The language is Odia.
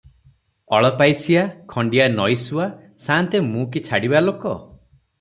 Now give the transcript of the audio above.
ଅଳପାଇସିଆ; ଖଣ୍ତିଆ ନଈଶୁଆ! ସାଆନ୍ତେ ମୁଁ କି ଛାଡ଼ିବା ଲୋକ?